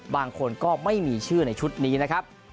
บางคนก็ไม่มีชื่อในชุดนี้นะครับ